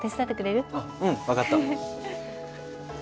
あっうん分かった。